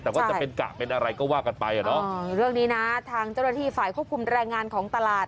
แต่ว่าจะเป็นกะเป็นอะไรก็ว่ากันไปอ่ะเนอะเรื่องนี้นะทางเจ้าหน้าที่ฝ่ายควบคุมแรงงานของตลาด